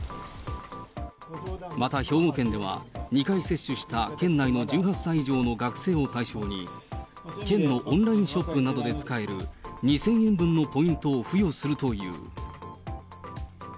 また兵庫県では、２回接種した県内の１８歳以上の学生を対象に、県のオンラインショップなどで使える２０００円分のポイントを付与するという。